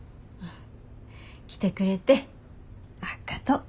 来てくれてあっがとう。